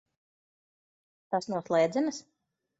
Tas no slēdzenes?